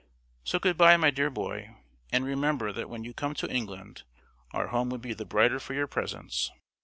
So good bye, my dear boy, and remember that when you come to England our home would be the brighter for your presence.